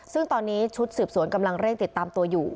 ซึ่งตอนนี้ชุดสืบสวนกำลังเร่งติดตามตัวอยู่